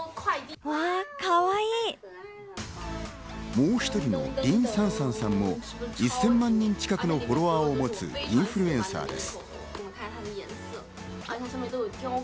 もう１人のリン・サンサンさんも１０００万人近くのフォロワーをもつインフルエンサーです。